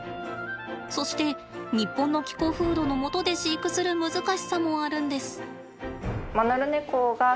そして日本の気候風土のもとで飼育する難しさもあるんです。